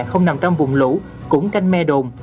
không nằm trong vùng lũ cũng canh me đồn